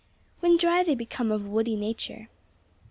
When dry they become of a woody nature."